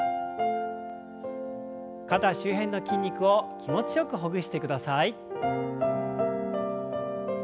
肩周辺の筋肉を気持ちよくほぐしてください。